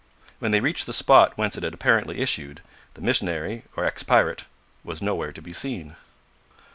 When they reached the spot whence it had apparently issued, the mis'nary, or ex pirate, was nowhere to be seen.